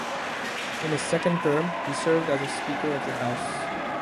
In his second term, he served as the Speaker of the House.